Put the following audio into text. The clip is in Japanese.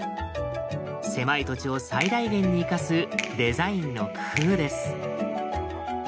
狭い土地を最大限に生かすデザインの工夫です。